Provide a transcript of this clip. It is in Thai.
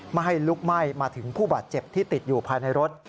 ไม่ให้ลุกไหม้มาถึงผู้บาดเจ็บที่ติดอยู่ภายในรถ